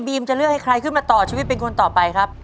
จะเลือกให้ใครขึ้นมาต่อชีวิตเป็นคนต่อไปครับ